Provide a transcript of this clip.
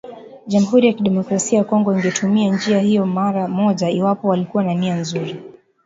jamhuri ya kidemokrasia ya Kongo ingetumia njia hiyo mara moja iwapo walikuwa na nia nzuri